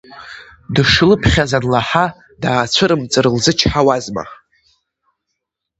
Дышлыԥхьаз анлаҳа, даацәырымҵыр лзычҳауазма.